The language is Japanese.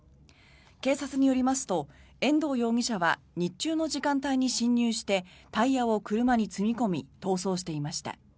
警察によりますと遠藤容疑者は日中の時間帯に侵入してタイヤを車に積み込み逃走していました。